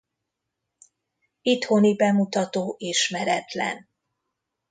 Itthoni bemutató ismeretlen.